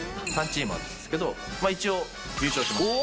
３チームあったんですけど、一応、優勝しました。